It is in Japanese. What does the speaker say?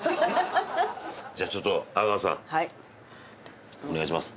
じゃあちょっと阿川さんお願いします。